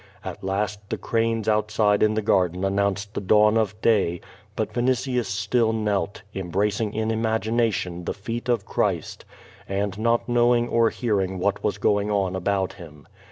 At last the cranes outside in the gar den announced the dawn of day, but Vinitius still knelt, em bracing in imagination the feet of Christ, and not knowing or hearing what was going on about him.